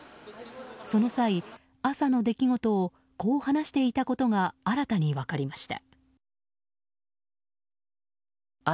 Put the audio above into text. その際、朝の出来事をこう話していたことが新たに分かりました。